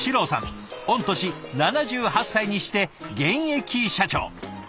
御年７８歳にして現役社長！